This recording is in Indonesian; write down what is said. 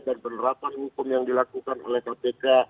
dan penerapan hukum yang dilakukan oleh kpk